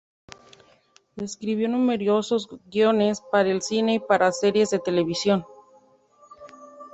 Escribió numerosos guiones para el cine y para series de televisión.